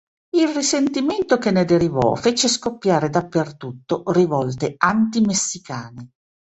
Il risentimento che ne derivò fece scoppiare dappertutto rivolte anti-messicane.